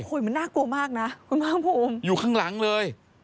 โอ้โหมันน่ากลัวมากนะคุณภาคภูมิอยู่ข้างหลังเลย